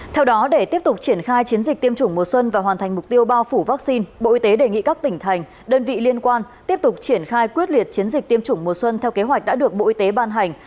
theo đó để tiếp tục triển khai chiến dịch tiêm chủng mùa xuân và hoàn thành mục tiêu bao phủ vaccine bộ y tế đề nghị các tỉnh thành đơn vị liên quan tiếp tục triển khai quyết liệt chiến dịch tiêm chủng mùa xuân theo kế hoạch đã được bộ y tế ban hành